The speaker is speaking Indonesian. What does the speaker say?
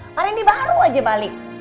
mbak rendy baru aja balik